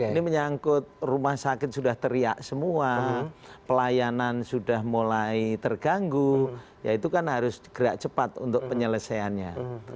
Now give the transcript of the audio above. ini menyangkut rumah sakit sudah teriak semua pelayanan sudah mulai terganggu ya itu kan harus gerak cepat untuk penyelesaiannya